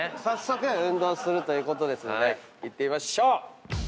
早速運動するということですので行ってみましょう！